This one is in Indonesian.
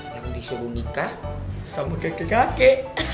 yang disuruh nikah sama keke keke